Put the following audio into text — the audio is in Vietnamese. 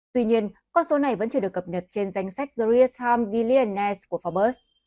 tuy nhiên con số này vẫn chưa được cập nhật trên danh sách serious harm billionaires của forbes